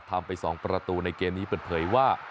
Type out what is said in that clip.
ทำไป๒ประตูในเกมนี้เปิดเผยว่า